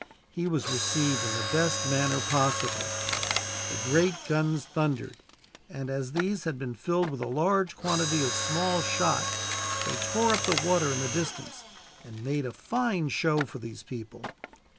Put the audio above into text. He was received in the best manner possible. The great guns thundered, and as these had been filled with a large quantity of small shot, they tore up the water in the distance, and made a fine show for these people.